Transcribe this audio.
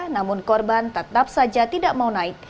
namun korban tetap saja tidak mau naik